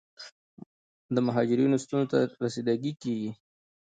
د مهاجرینو ستونزو ته رسیدګي کیږي.